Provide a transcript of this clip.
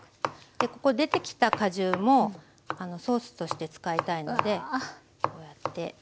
ここ出てきた果汁もソースとして使いたいのでこうやって。